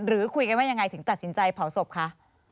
หรือคุยกันว่ายังไงถึงตัดสินใจเผาศพคะ